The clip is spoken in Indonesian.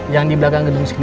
yang di belakang gedung sekian